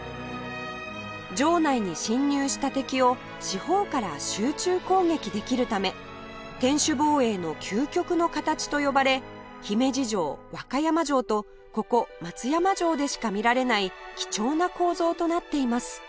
城内に侵入した敵を四方から集中攻撃できるため天守防衛の究極の形と呼ばれ姫路城和歌山城とここ松山城でしか見られない貴重な構造となっています